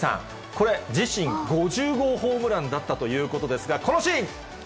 これ、自身５０号ホームランだったということですが、このシーン。